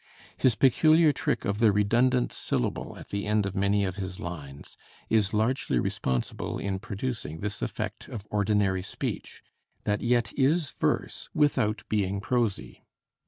His peculiar trick of the redundant syllable at the end of many of his lines is largely responsible in producing this effect of ordinary speech, that yet is verse without being prosy.